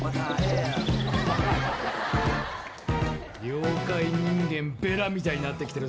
「妖怪人間ベラみたいになってきてるぞ」